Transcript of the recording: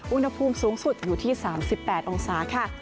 อุณหภูมิสูงสุดอยู่ที่๓๘องศาค่ะ